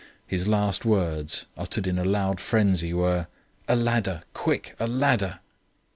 His last words, uttered in a loud frenzy, were: "A ladder! Quick, a ladder!"